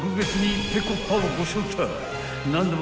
［何でも］